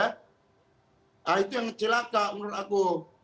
nah itu yang celaka menurut aku